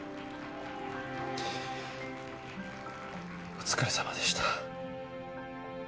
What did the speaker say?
お疲れさまでした。